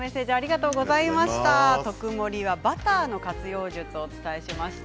「とくもり」はバターの活用術をお伝えしました。